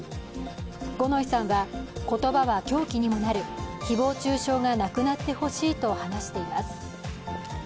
五ノ井さんは、言葉は凶器にもなる誹謗中傷がなくなってほしいと話しています。